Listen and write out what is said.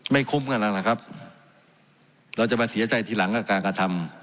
คุ้มกันแล้วล่ะครับเราจะมาเสียใจทีหลังกับการกระทำ